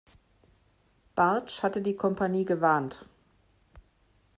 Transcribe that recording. Bartsch hatte die Kompanie gewarnt.